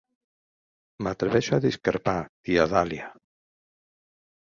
M'atreveixo a discrepar, tia Dahlia.